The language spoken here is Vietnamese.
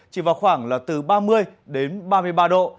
chỉ vào khoảng là từ ba mươi đến ba mươi ba độ